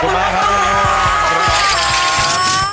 พ่มโผออกมาจากฉาก